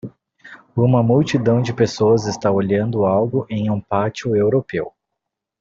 Uma multidão de pessoas está olhando algo em um pátio europeu.